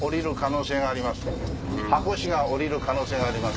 ハコ師が降りる可能性があります。